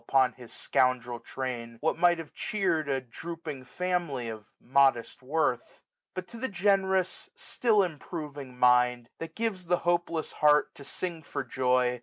Upon his scoundrel train, what might have cheer'd A drooping family of modest worth. But to the generous still improving mind, 1640 That gives the hopeless heart to sing for joy.